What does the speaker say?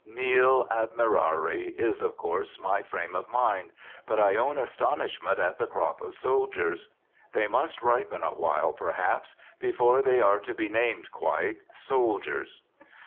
Nil admirari is, of course, my frame of mind; but I own astonishment at the crop of soldiers. They must ripen awhile, perhaps, before they are to be named quite soldiers.